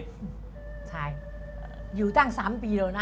ใช่อยู่ตั้งสามปีเลยนะ